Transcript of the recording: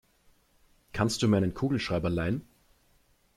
Kannst du mir einen Kugelschreiber leihen?